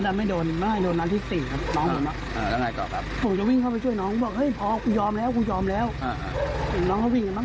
เดี๋ยวนายก้อพรบังเจอเป้าฉาน้องบอกน้อยยอมแล้วกูยอมแล้ว